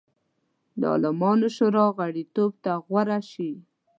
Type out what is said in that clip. د عالمانو شورا غړیتوب ته غوره شي.